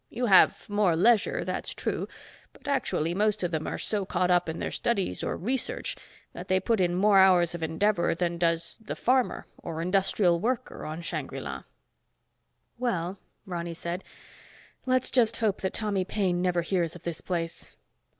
You have more leisure, that's true, but actually most of them are so caught up in their studies or research that they put in more hours of endeavor than does the farmer or industrial worker on Shangri La." "Well," Ronny said, "let's just hope that Tommy Paine never hears of this place."